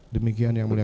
demikian yang mulia